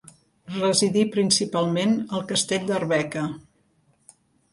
Residí principalment al castell d'Arbeca.